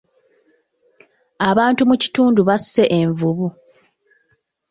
Abantu mu kitundu basse envubu.